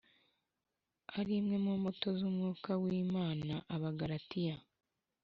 Ari imwe mu mbuto z umwuka w imana abagalatiya